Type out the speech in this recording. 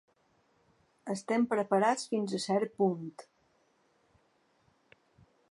Estem preparats fins a cert punt.